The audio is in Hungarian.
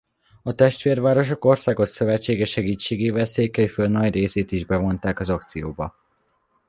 A Testvérvárosok Országos Szövetsége segítségével Székelyföld nagy részét is bevonták az akcióba.